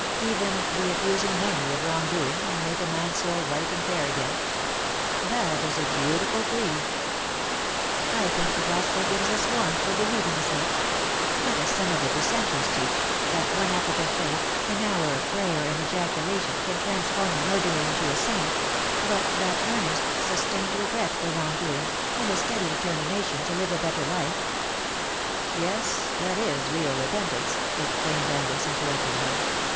^'^' Even the accusing memory of wrong doing, and make a man^s soul white and fair again ? That is a beautiful creed/^ " I think the Gospel gives us warrant for believing as much — not as some of the Dissenters teach, that one effort of faith, an hour of prayer and ejacula tion, can transform a murderer into a saint ; but 120 ^' LOVE ! THOU ART LEADING ME that earnest^ sustained regret for wrong doing, and a steady determination to live a better life '^" Yes — that is real repentance/' exclaimed Angus, interrupting her.